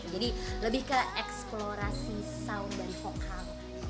jadi lebih ke eksplorasi sound dari vokal